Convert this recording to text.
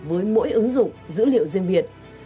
với mỗi ứng dụng dữ liệu riêng biệt